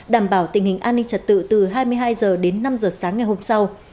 đảm bảo tình hình an ninh trật tự từ hai mươi hai h đến năm h sáng ngày hôm sau